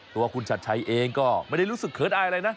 ตัวคุณชัดชัยเองก็ไม่ได้รู้สึกเขินอายอะไรนะ